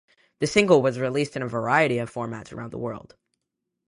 The single was released in a variety of formats around the world.